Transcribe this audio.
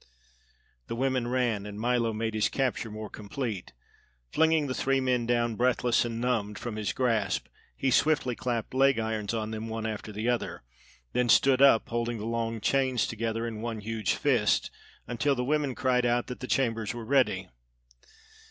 The women ran, and Milo made his capture more complete. Flinging the three men down, breathless and numbed from his grasp, he swiftly clapped leg irons on them one after the other, then stood up, holding the long chains together in one huge fist until the women cried out that the chambers were ready.